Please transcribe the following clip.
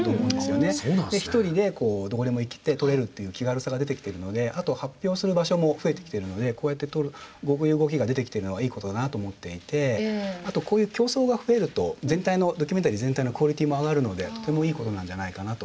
一人でこうどこでも行けて撮れるっていう気軽さが出てきてるのであと発表する場所も増えてきてるのでこうやって撮るこういう動きが出てきているのはいいことだなと思っていてあとこういう競争が増えると全体のドキュメンタリー全体のクオリティーも上がるのでとてもいいことなんじゃないかなと。